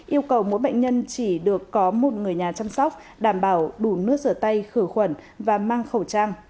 yêu cầu mỗi bệnh nhân chỉ được có một người nhà chăm sóc đảm bảo đủ nước rửa tay khử khuẩn và mang khẩu trang